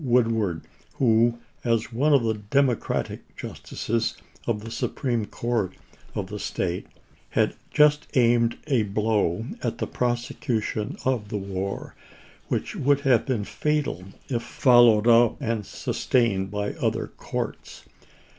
Woodward, who, as one of the Democratic justices of the Supreme Court of the State, had just aimed a blow at the prosecution of the war which would have been fatal if followed up and sustained by other courts.